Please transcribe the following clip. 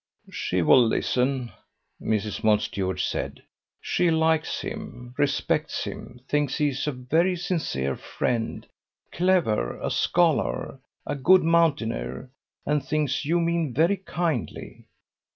"She will listen." Mrs. Mountstuart said: "She likes him, respects him, thinks he is a very sincere friend, clever, a scholar, and a good mountaineer; and thinks you mean very kindly.